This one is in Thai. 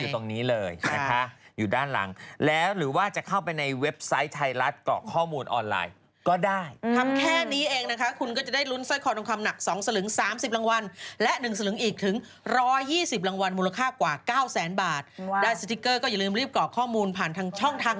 ทำงานเขาน่ารักนะเขาน่ารักมากสำหรับการทำงาน